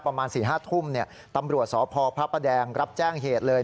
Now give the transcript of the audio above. ประมาณ๔๕ทุ่มตำรวจสพพระประแดงรับแจ้งเหตุเลย